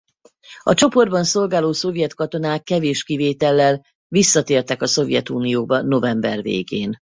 A csoportban szolgáló szovjet katonák kevés kivétellel visszatértek a Szovjetunióba november végén.